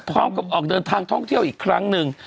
พร้อมกับออกเดินทางท่องเที่ยวอีกครั้งนึง